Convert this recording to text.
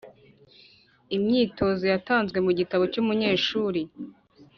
Imyitozo yatanzwe mu gitabo cy’umunyeshuri